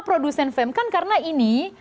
produsen fam kan karena ini